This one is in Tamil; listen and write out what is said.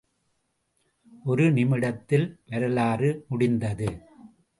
ஒரு நிமிடத்தில் வரலாறு முடிந்தது.